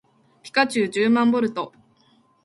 ピカチュウじゅうまんボルト